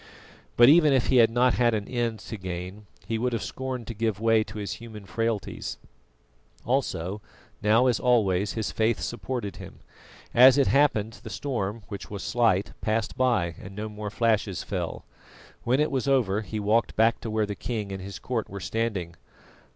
But even if he had not had an end to gain, he would have scorned to give way to his human frailties; also, now as always, his faith supported him. As it happened the storm, which was slight, passed by, and no more flashes fell. When it was over he walked back to where the king and his court were standing.